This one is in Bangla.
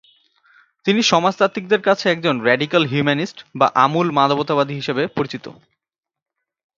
তিনি সমাজতাত্ত্বিকদের কাছে একজন ‘র্যাডিক্যাল হিউম্যানিস্ট’ বা আমূল মানবতাবাদী হিসেবে পরিচিত।